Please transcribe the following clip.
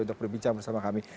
untuk berbincang bersama kami